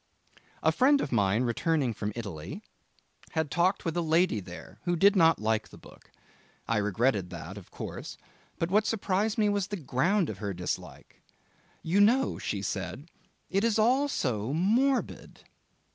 A friend of mine returning from Italy had talked with a lady there who did not like the book. I regretted that, of course, but what surprised me was the ground of her dislike. 'You know,' she said, 'it is all so morbid.